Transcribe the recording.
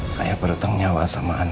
saya bertanggung jawab sama anda